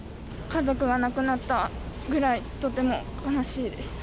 家族が亡くなったぐらい、とても悲しいです。